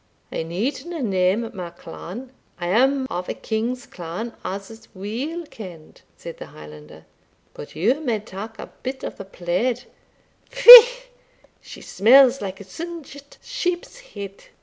"I needna name my clan I am of a king's clan, as is weel ken'd," said the Highlander; "but ye may tak a bit o' the plaid figh! she smells like a singit sheep's head!